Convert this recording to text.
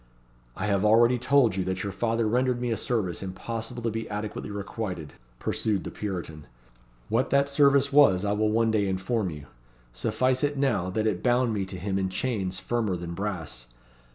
"I have already told you that your father rendered me a service impossible to be adequately requited," pursued the Puritan. "What that service was I will one day inform you. Suffice it now, that it bound me to him in chains firmer than brass.